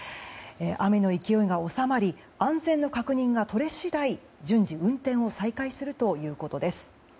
雨の勢いが収まり安全の確認が取れ次第順次運転を再開するということです。